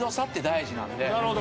なるほど。